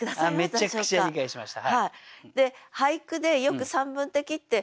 めちゃくちゃ理解しました。